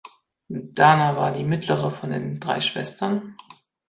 Dana war die mittlere von drei Schwestern.